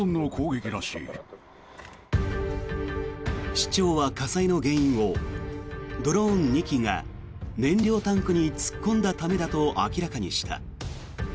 市長は火災の原因をドローン２機が燃料タンクに突っ込んだためだと明らかにした。